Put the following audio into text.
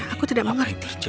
aku tidak mengerti